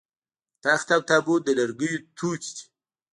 تخت او تابوت د لرګیو توکي دي